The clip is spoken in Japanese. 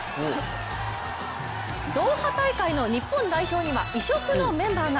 ドーハ大会の日本代表には異色のメンバーが。